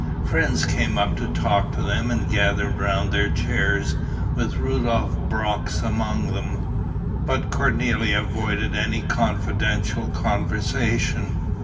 Friends came up to talk to them and gathered round their chairs, with Rudolph Brox among them. But Cornélie avoided any confidential conversation.